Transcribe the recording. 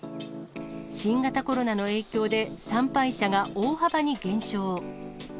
新型コロナの影響で、参拝者が大幅に減少。